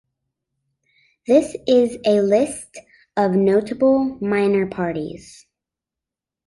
This is a list of notable minor parties.